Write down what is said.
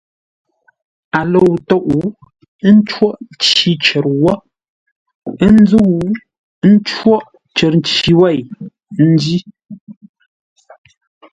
A lou tóʼ, ə́ ncóghʼ nci cər wə́, ə́ nzə́u ńcóghʼ cər nci wêi ńjí.